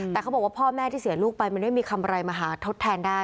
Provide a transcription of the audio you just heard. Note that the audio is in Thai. แต่เขาบอกว่าพ่อแม่ที่เสียลูกไปมันไม่มีคำอะไรมาหาทดแทนได้